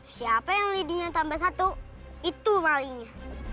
siapa yang lidinya tambah satu itu malingnya